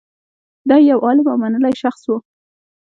دی یو عالم او منلی شخص و